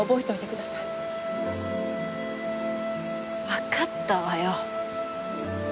わかったわよ。